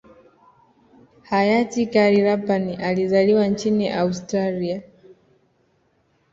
hayati Karl Rapan alizaliwa nchini Australia